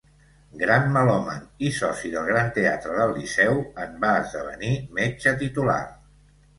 Gran melòman i soci del Gran Teatre del Liceu, en va esdevenir metge titular.